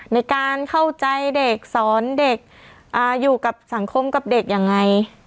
ในการเข้าใจเด็กสอนเด็กอยู่กับสังคมกับเด็กยังไง